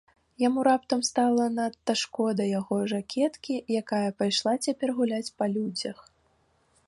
Яму раптам стала надта шкода яго жакеткі, якая пайшла цяпер гуляць па людзях.